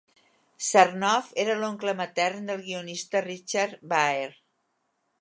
Sarnoff era l'oncle matern del guionista Richard Baer.